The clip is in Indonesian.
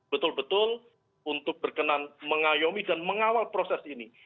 betul betul untuk berkenan mengayomi dan mengawal proses ini